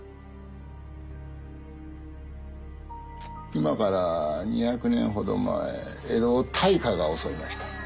今から２００年ほど前江戸を大火が襲いました。